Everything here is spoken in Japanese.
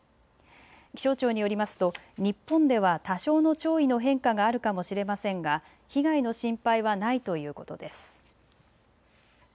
気象庁によりますと日本では多少の潮位の変化があるかも知れませんが被害の心配はないということです。